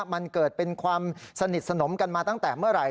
มันเกิดเป็นความสนิทสนมกันมาตั้งแต่เมื่อไหร่